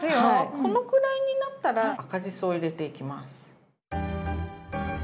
このくらいになったら赤じそを入れていきます。